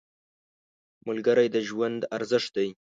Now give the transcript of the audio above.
ملګری د ژوند ارزښت دی